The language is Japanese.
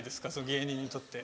芸人にとって。